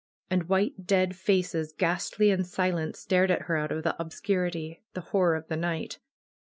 And white dead faces, ghastly and silent, stared at her out of the ob scurity, the horror of the night.